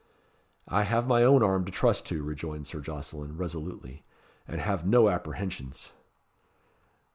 "I have my own arm to trust to," rejoined Sir Jocelyn, resolutely, "and have no apprehensions."